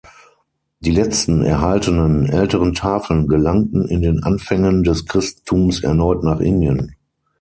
Die letzten erhaltenen älteren Tafeln gelangten in den Anfängen des Christentums erneut nach Indien.